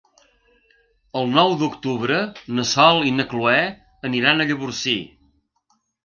El nou d'octubre na Sol i na Cloè aniran a Llavorsí.